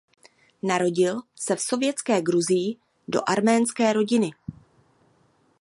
Narodil se v sovětské Gruzii do arménské rodiny.